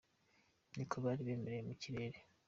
Ni uko bari bimereye mu kirere.